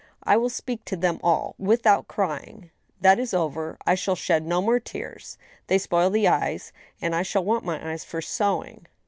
I will speak to them all — without crying. That is over; I shall shed no more tears ; they spoil the eyes, and I shall want my eyes for sewing.